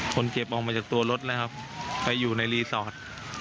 คนเก็บออกมาจากตัวรถนะครับไปอยู่ในรีสอร์ท